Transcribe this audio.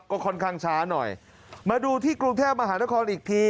ก็ค่อนข้างช้าหน่อยมาดูที่กรุงเทพมหานครอีกที